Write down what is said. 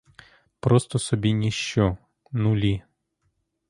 Просто собі ніщо, нулі.